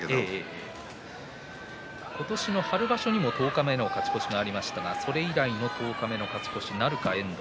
今年の春場所でも十日目の勝ち越しがありましたがそれ以来の十日目の勝ち越しなるか遠藤。